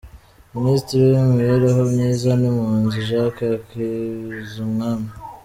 – Ministri w’imibereho myiza n’impunzi: Jacques Hakizumwami,